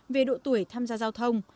về độ tuổi tham gia giao thông